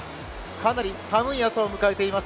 かなり寒い朝を迎えています。